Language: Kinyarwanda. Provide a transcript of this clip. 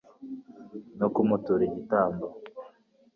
no kumutura igitambo